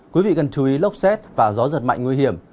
quý vị cần chú ý lốc xét và gió giật mạnh nguy hiểm